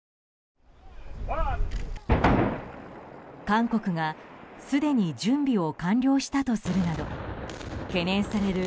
韓国がすでに準備を完了したとするなど懸念される